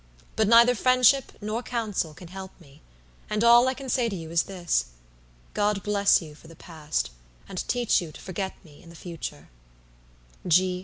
But neither friendship nor counsel can help me; and all I can say to you is this, God bless you for the past, and teach you to forget me in the future.